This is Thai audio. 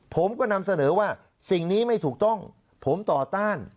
ผมก็นำเสนอว่าสิ่งนี้ไม่ถูกต้องผมต่อต้าน